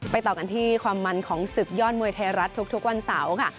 ต่อกันที่ความมันของศึกยอดมวยไทยรัฐทุกวันเสาร์ค่ะ